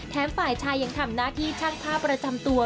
ฝ่ายชายยังทำหน้าที่ช่างภาพประจำตัว